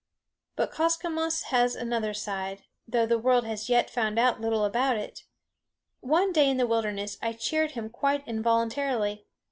But Koskomenos has another side, though the world as yet has found out little about it. One day in the wilderness I cheered him quite involuntarily.